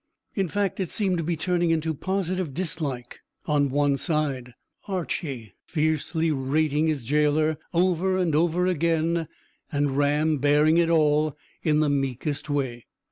In fact, it seemed to be turning into positive dislike on one side, Archy fiercely rating his gaoler over and over again, and Ram bearing it all in the meekest way.